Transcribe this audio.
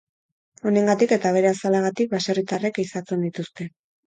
Honengatik eta bere azalagatik baserritarrek ehizatzen dituzte.